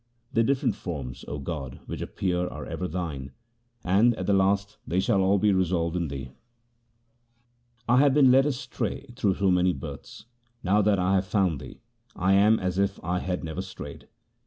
The different forms, O God, which appear are ever Thine, and at the last they shall all be resolved in Thee. I have been led astray through so many births ; now that I have found Thee / am as if I had never strayed.